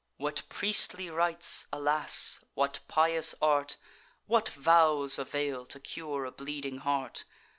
What priestly rites, alas! what pious art, What vows avail to cure a bleeding heart!